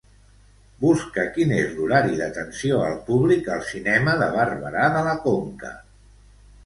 Busca quin és l'horari d'atenció al públic al cinema de Barberà de la Conca.